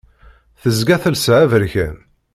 Tezga telsa aberkan.